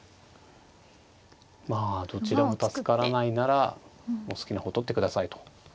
まあどちらも助からないなら好きな方取ってくださいと。